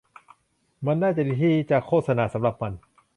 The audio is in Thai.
มันน่าจะดีที่จะโฆษณาสำหรับมัน